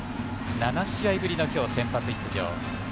７試合ぶりの今日、先発出場。